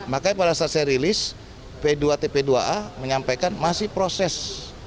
makanya pada saat saya rilis p dua tp dua a menyampaikan masih proses